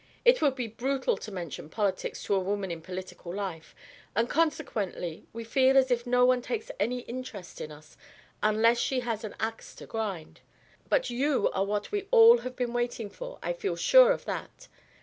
It would be brutal to mention politics to a woman in political life, and consequently we feel as if no one takes any interest in us unless she has an axe to grind. But you are what we all have been waiting for I feel sure of that!